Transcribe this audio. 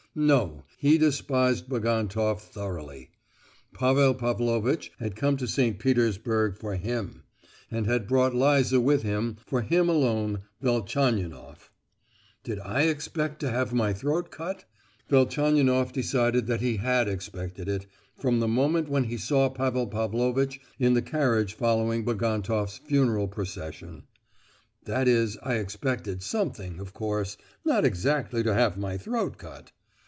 No! he despised Bagantoff thoroughly. Pavel Pavlovitch had come to St. Petersburg for him, and had brought Liza with him, for him alone, Velchaninoff. "Did I expect to have my throat cut?" Velchaninoff decided that he had expected it, from the moment when he saw Pavel Pavlovitch in the carriage following in Bagantoff's funeral procession. "That is I expected something—of course, not exactly to have my throat cut!